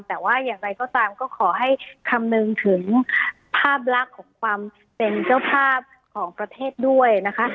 แต่ว่าอย่างไรก็ตามก็ขอให้คำนึงถึงภาพลักษณ์ของความเป็นเจ้าภาพของประเทศด้วยนะคะ